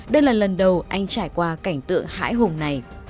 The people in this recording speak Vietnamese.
đây là lần đầu anh trải qua cảnh tượng hãi hùng này